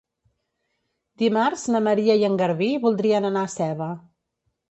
Dimarts na Maria i en Garbí voldrien anar a Seva.